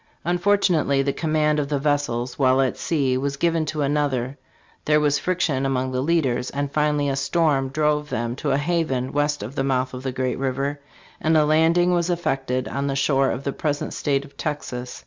Unfortunately, the command of the vessels while at sea was given to another; there was friction among the leaders, and finally a storm drove them to a haven west of the mouth of the great river, and a landing was ef fected on the shore of the present state of Texas.